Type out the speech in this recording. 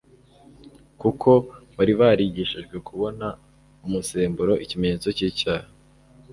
kuko bari barigishijwe kubona mu musemburo ikimenyetso cy'icyaha.